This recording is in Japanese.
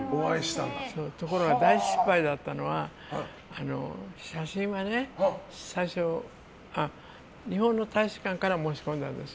ところが大失敗だったのは写真が最初日本の大使館から申し込んだんですよ。